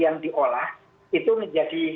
yang diolah itu menjadi